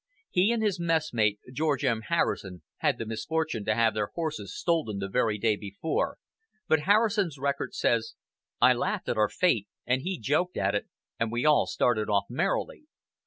He and his messmate, George M. Harrison, had the misfortune to have their horses stolen the very day before, but Harrison's record says: "I laughed at our fate, and he joked at it, and we all started of merrily.